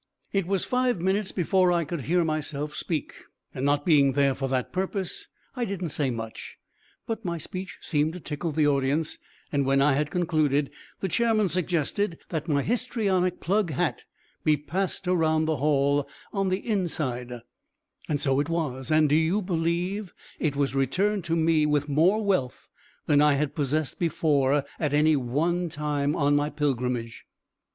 It was five minutes before I could hear myself speak, and, not being there for that purpose, I didn't say much. But my speech seemed to tickle the audience, and when I had concluded, the chairman suggested that my histrionic plug hat be passed around the hall, on the inside, so it was; and, do you believe, it was returned to me with more wealth than I had possessed before, at any one time on my pilgrimage.